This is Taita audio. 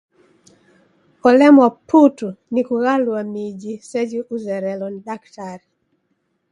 Olemwa putu ni kughalua miji seji uzerelo ni daktari.